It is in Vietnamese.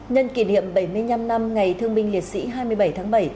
nhân kỷ niệm bảy mươi năm năm ngày thương binh liệt sĩ hai mươi bảy tháng bảy